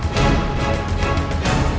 sampai jumpa lagi